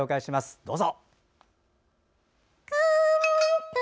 どうぞ。